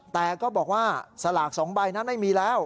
แต่ก็บอกว่าสลาก๒ใบนั้นไม่มีแล้ว